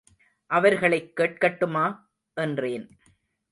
அவர்களைக் கேட்கட்டுமா? என்றேன்.